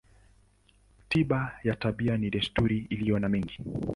Tiba ya tabia ni desturi iliyo na mengi.